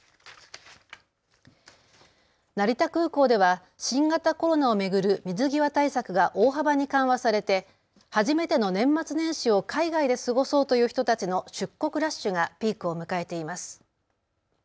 成田空港では新型コロナを巡る水際対策が大幅に緩和されて初めての年末年始を海外で過ごそうという人たちの出国ラッシュがピークを迎えています。